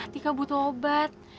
tika butuh obat